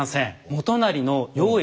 元就の用意